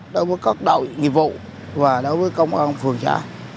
đối với các đội nghiệp vụ và đối với công an phường xã